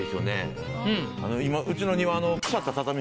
今うちの庭。